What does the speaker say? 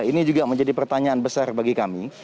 ini juga menjadi pertanyaan besar bagi kami